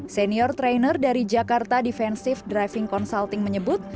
senior trainer dari jakarta defensive driving consulting menyebut